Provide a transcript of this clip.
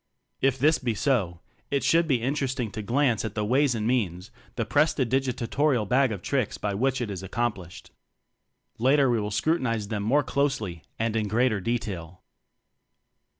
If this be so, it should be interest ing to glance at the ways and means, the prestidigitatorial bag o tricks by which it is accomplished. Later we will scrutinize them more closely and in greater detail.